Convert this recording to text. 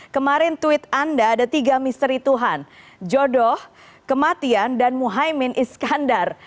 kemarin tweet anda ada tiga misteri tuhan jodoh kematian dan muhaymin iskandar